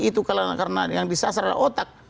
itu karena yang disasar adalah otak